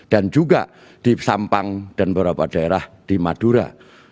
dan juga di sampang dan beberapa daerah di manila